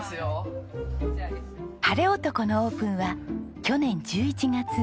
ハレオトコのオープンは去年１１月。